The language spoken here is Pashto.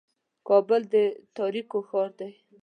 کابل د تاریکو ښار دی.